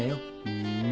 ふん。